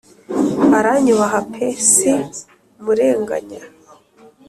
aranyubaha pe si murenganya